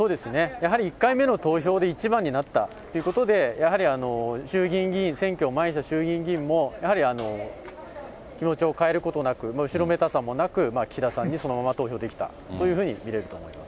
やはり１回目の投票で１番になったということで、やはり衆議院議員、選挙を前にした衆議院議員も、やはり気持ちを変えることなく、後ろめたさもなく、岸田さんに投票できたというふうにいえると思います。